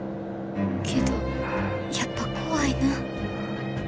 けどやっぱ怖いな。